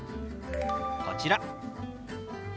こちら。